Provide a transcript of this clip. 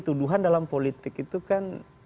tuduhan dalam politik itu kan